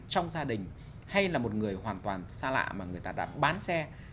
trong gia đình hay là một người hoàn toàn xa lạ mà người ta đã bán xe